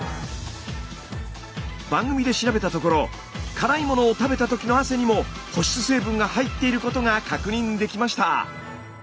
番組で調べたところ辛いものを食べたときの汗にも保湿成分が入っていることが確認できました。